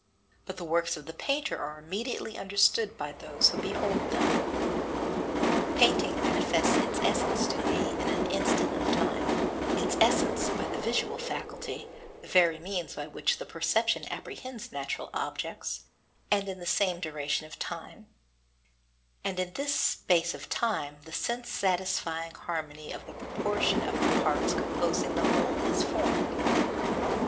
But the works of the painter are immediately understood by those who behold them. 18. Painting manifests its essence to thee in an instant of time, its essence by the visual faculty, the very means by which the perception apprehends natural objects, and in the same duration of time, and in this space of time the sense satisfying harmony of the proportion of the parts composing the whole is formed.